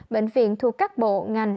bệnh viện thuộc các bộ ngành